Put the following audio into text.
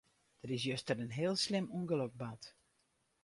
Der is juster in heel slim ûngelok bard.